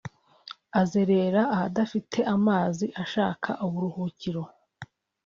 azerera ahadafite amazi ashaka uburuhukiro